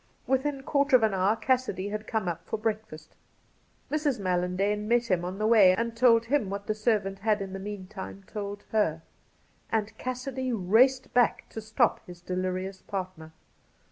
Within a quarter of an hour Cassidy had come up for breakfast. Mjs. Mallandane met him on the way and told him what the servant had in the meantime told her ; and Cassidy raced back to stop his delirious partner.